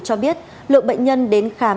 cho biết lượng bệnh nhân đến khám